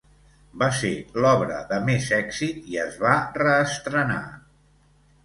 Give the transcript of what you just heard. Va ser l’obra de més èxit, i es va reestrenar.